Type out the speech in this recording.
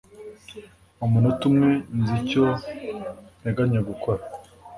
Umunota umwe nzi icyo nteganya gukora